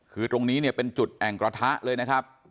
คือตรงนี้เนี่ยเป็นจุดแอ่งกระทะเลยนะครับ